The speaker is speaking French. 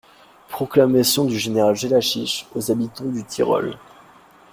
Proclamation du général Jellachich aux habitons du Tyrol.